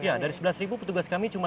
ya dari sebelas petugas kami cuma lima belas